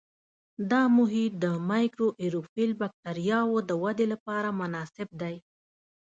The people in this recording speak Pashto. دا محیط د مایکروآیروفیل بکټریاوو د ودې لپاره مناسب دی.